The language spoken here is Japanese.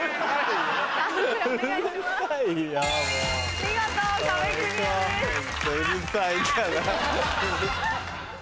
見事壁クリアです。